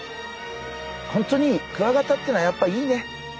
ホントにクワガタっていうのはやっぱいいね。